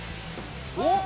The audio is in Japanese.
おっ！